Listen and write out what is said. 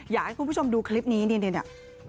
อยากให้คุณผู้ชมดูคลิปนี้เนี่ยเนี่ยเนี่ยเนี่ย